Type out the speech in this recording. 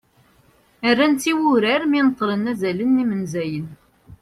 rrant urar mi neṭṭlent "azalen d yimenzayen"